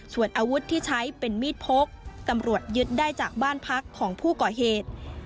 ส่วนอาวุธที่ใช้เป็นมีดพกตำรวจยึดได้จากบ้านพักของผู้ก่อเหตุ